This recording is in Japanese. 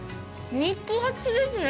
肉厚ですね。